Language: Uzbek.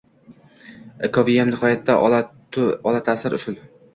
Ikkoviyam nihoyatda olatasir usul!